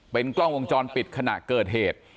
เป็นกล้องวงจรปิดขณะเกิดเหตุ